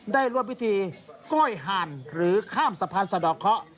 ได้ร่วมพิธีก้อยห่านหรือข้ามสะพานศักดิ์สิทธิ์สะดอกเค้า